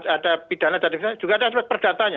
ada pidana dan pidana juga ada aspek perdatanya